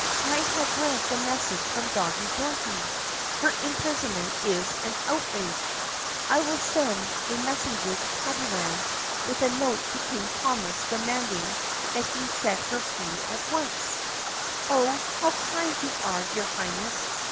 I have read the message from Doggie Dorothy. Her imprisonment is an outrage. I will send a THE PUSSYCAT PRINCESS 103 messenger to Tabbyland with a note to King Thomas demand ing that he set her free at once." "Oh, how kind you are, your Highness!"